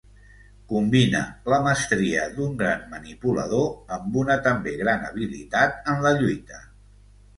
Combina la mestria d'un gran manipulador amb una també gran habilitat en la lluita.